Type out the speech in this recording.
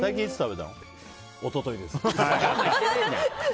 一昨日です。